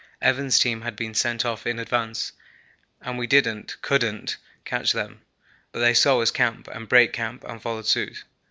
Evans' team had been sent off in advance, and we didn't couldn't! catch them, but they saw us camp and break camp and followed suit.